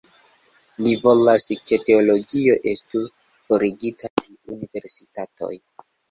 Li volas, ke teologio estu forigita el universitatoj.